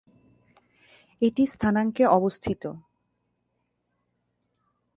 এটি স্থানাঙ্কে অবস্থিত।